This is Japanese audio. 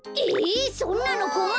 そんなのこまるよ。